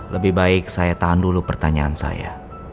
lebih baik saya tahan dulu pertanyaan saya